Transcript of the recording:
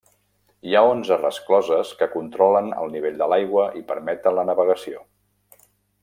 Hi ha onze rescloses que controlen el nivell de l'aigua i permeten la navegació.